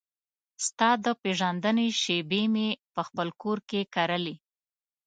ستا د پیژندنې شیبې مې پخپل کور کې کرلې